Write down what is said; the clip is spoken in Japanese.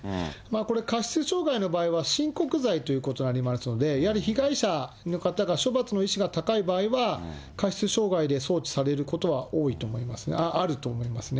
これ、過失傷害の場合は親告罪ということになりますので、やはり被害者の方が処罰の意思が高い場合は、過失傷害で送致されることは多いと思いますね、あると思いますね。